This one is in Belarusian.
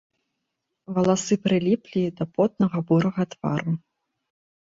Валасы прыліплі да потнага бурага твару.